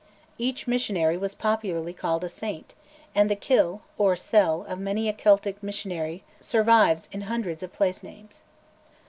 Each missionary was popularly called a Saint, and the Kil, or cell, of many a Celtic missionary survives in hundreds of place names.